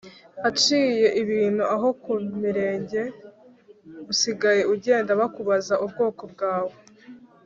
Aciye ibintu aho ku mirenge usigaye ugenda bakubaza ubwoko bwawe